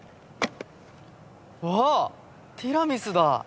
わあっティラミスだ。！